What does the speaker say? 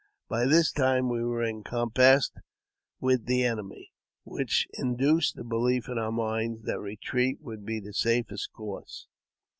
By this time we were encompassed with the enemy, which induced the belief in our minds that retreat would be the safest course.